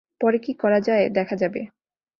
পরে কি করা যায় দেখা যাবে।